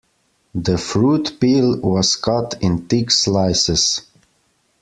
The fruit peel was cut in thick slices.